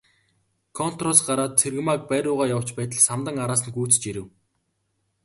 Контороос гараад Цэрэгмааг байр руугаа явж байтал Самдан араас нь гүйцэж ирэв.